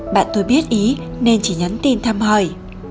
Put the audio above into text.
bạn tôi biết ý nên chỉ nhắn tin thăm hỏi